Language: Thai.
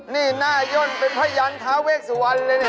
นี่หน้าย่นเป็นพยันท้าเวสวรรณเลยเนี่ย